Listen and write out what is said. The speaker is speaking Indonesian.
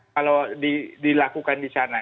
kalau dilakukan di sana